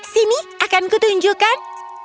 sini akan kutunjukkan